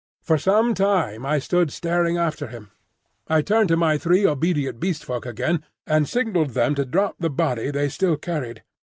For some time I stood staring after him. I turned to my three obedient Beast Folk again and signalled them to drop the body they still carried.